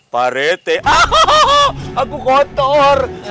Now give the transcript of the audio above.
pak rethe ahahaha aku kotor